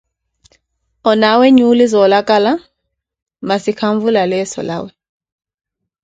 Onaawe nyuuli zoolakala, masi khanvula leeso lawe.